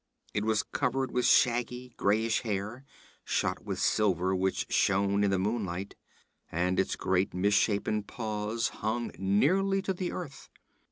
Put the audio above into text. It was covered with shaggy grayish hair, shot with silver which shone in the moonlight, and its great misshapen paws hung nearly to the earth.